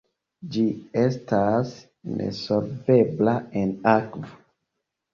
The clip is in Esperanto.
Ĝi estas nesolvebla en akvo.